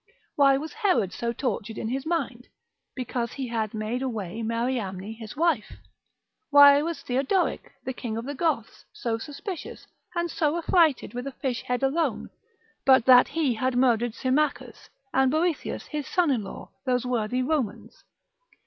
Why was Herod so tortured in his mind? because he had made away Mariamne his wife. Why was Theodoric, the King of the Goths, so suspicious, and so affrighted with a fish head alone, but that he had murdered Symmachus, and Boethius his son in law, those worthy Romans?